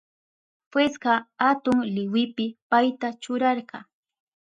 Jueska atun liwipi payta churarka.